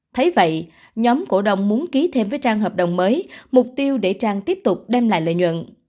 thấy vậy nhóm cổ đông muốn ký thêm với trang hợp đồng mới mục tiêu để trang tiếp tục đem lại lợi nhuận